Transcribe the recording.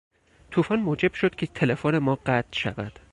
توفان موجب شد که تلفن ما قطع شود.